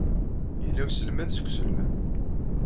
Yella uselmad seg uselmad.